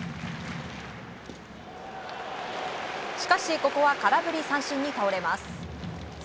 しかしここは空振り三振に倒れます。